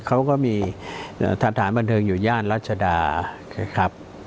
เขาก็มีฐานฐานบรรเทิงอยู่ญ่านรัจดาครับ